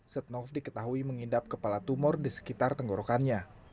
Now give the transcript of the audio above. setnov diketahui mengidap kepala tumor di sekitar tenggorokannya